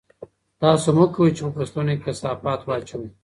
تاسو مه کوئ چې په فصلونو کې کثافات واچوئ.